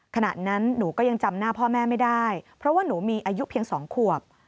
ขณะนั้นหนูก็ยังจำหน้าพ่อแม่ไม่ได้เพราะว่าหนูมีอายุเพียง๒ขวบ